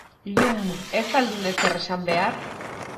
Llum, ez al dun ezer esan behar?